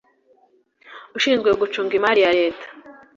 ushinzwe gucunga imari ya leta